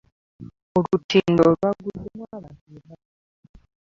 Olutindo lwagufdemu abantu nebafa .